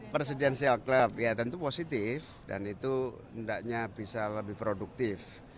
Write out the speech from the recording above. presidensial club ya tentu positif dan itu hendaknya bisa lebih produktif